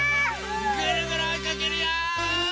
ぐるぐるおいかけるよ！